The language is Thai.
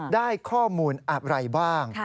ได้ข้อมูลอะไรบ้าง